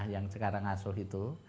yang sekarang asuh itu